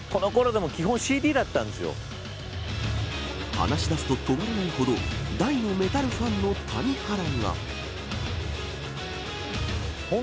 話しだすと止まらないほど大のメタルファンの谷原が。